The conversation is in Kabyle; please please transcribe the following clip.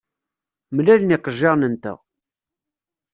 Mlalen yiqejjiren-nteɣ.